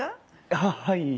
あっはい。